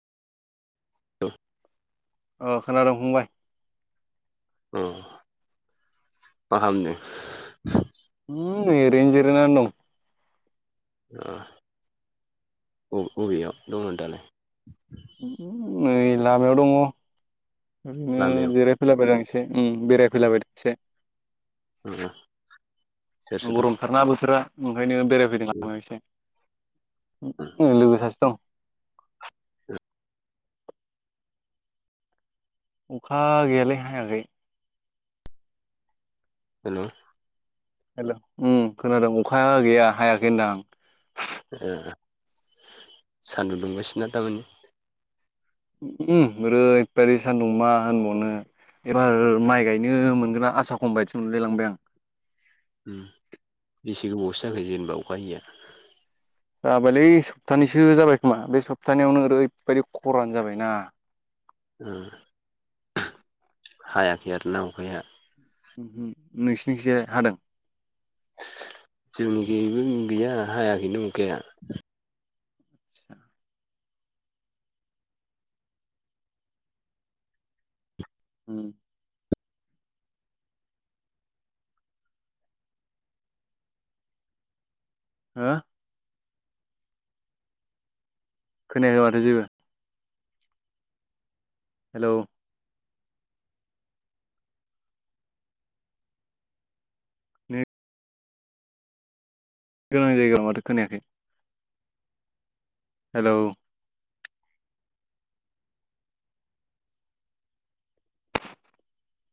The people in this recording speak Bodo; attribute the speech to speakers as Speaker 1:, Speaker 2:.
Speaker 1: औ
Speaker 2: अ खोनादोंं फंबाय।
Speaker 1: ओ मा खालाम दों।
Speaker 2: उम नै ओरैनो जिरायना दं।
Speaker 1: ओ अबेयाव दंङो दालाय
Speaker 2: नै लामायाव दङ
Speaker 1: लामायाव
Speaker 2: जिराय फैलाबायदों आ एसे बेरायफैलाबायदों एसे।
Speaker 1: [unintelligible] सोर सोर दं
Speaker 2: गर'म थारना बोथोरा ओंखायनो बेरायफैदों लामायाव एसे। लोगो सासे दं। अखा गैयालै हायाखै।
Speaker 1: हेल'
Speaker 2: हेल' ओ खोनादों अखा गैया हायाखै होनदां आ।
Speaker 1: ओ सानदुं दुंनाय सैना दामानि।
Speaker 2: ओम एरैबादि सान्दुं मा होनबावनो--! एबार माइ गायनो मोनगोना आसा खम बदि मोनलायलांबाय आं।
Speaker 1: बेसे गोबावसो जाखो जेनेबा अखा हैया
Speaker 2: जाबायलै सप्तानैसो जाबाय खोमा बे सप्तानैयावनो ओरैबायाददि खरानो जाबायना
Speaker 1: [unintelligible] हायाखै आरो ना अखा'या
Speaker 2: नोंसोरनि थिं हादों?
Speaker 1: जोंनिखिबो गैया हायाखैनो अखाया।
Speaker 2: [inaudible] हो खोनाया माथो जेबो। हेलौ नेट गोनां जायगायाव माथो खोनायाखै। हेलौ।